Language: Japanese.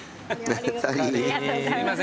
すいません